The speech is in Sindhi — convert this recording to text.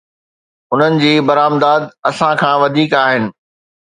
انهن جي برآمدات اسان کان وڌيڪ آهن.